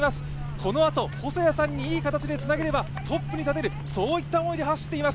このあと、細谷さんにいい形でつなければトップに立てるといった思いで走っています。